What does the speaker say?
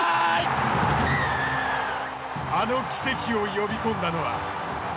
あの奇跡を呼び込んだのは。